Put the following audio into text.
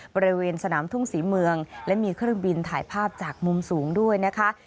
บริเวณสนามทุ่งศรีเมืองและมีเครื่องบินถ่ายภาพจากมุมสูงด้วยนะคะ